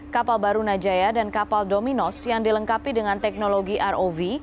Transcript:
kapal baru najaya dan kapal dominos yang dilengkapi dengan teknologi rov